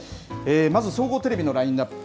まず総合テレビのラインナップ。